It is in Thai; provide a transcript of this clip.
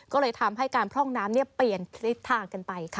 ก็เลยทำให้การพร่องน้ำเปลี่ยนทิศทางกันไปค่ะ